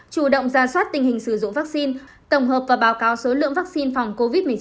chủ động ra soát tình hình sử dụng vaccine tổng hợp và báo cáo số lượng vaccine phòng covid một mươi chín